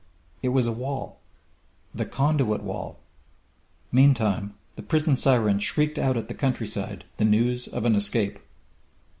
It was a wall the conduit wall! Meantime, the prison siren shrieked out to the countryside the news of an escape.